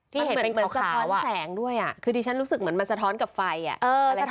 มันเหมือนสะท้อนแสงด้วยอะคือดิฉันรู้สึกเหมือนมันสะท้อนกับไฟอะอะไรประกันกัน